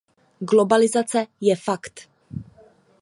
Globalizace je fakt.